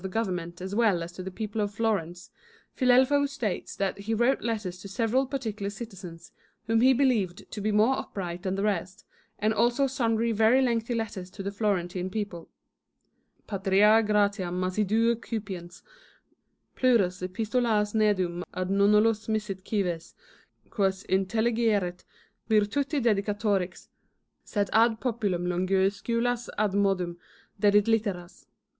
the Grovernment as well as to the people of Florence, Filelfo states that he wrote letters to several particular citizens whom he believed to be more upright than the rest, and also sundry very lengthy letters to the Florentine people :' Patriae gratiam assidue cupiens, plures epistolas nedum ad nonnullos misit cives, quos intclligeret virtuti dedica tiores, sed ad populum longiusculas admodum dedit litteras.'